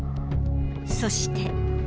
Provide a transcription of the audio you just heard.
そして。